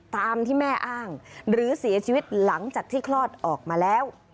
ตามที่แม่อ้างหรือเสียชีวิตหลังจากที่คลอดออกมาแล้ว